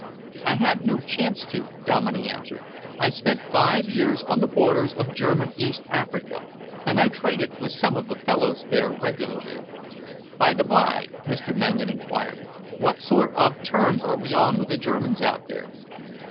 "I had no chance to," Dominey answered. "I spent five years on the borders of German East Africa, and I traded with some of the fellows there regularly." "By the by," Mr. Mangan enquired, "what sort of terms are we on with the Germans out there?"